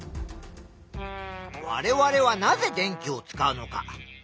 われわれはなぜ電気を使うのか？